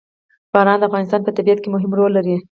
باران د افغانستان په طبیعت کې مهم رول لري.